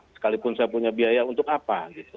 sekalipun saya punya biaya untuk apa